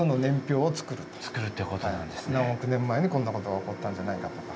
「何億年前にこんなことが起こったんじゃないか」とか。